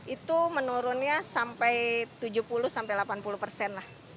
itu menurunnya sampai tujuh puluh sampai delapan puluh persen lah